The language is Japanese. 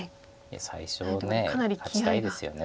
最初ね勝ちたいですよね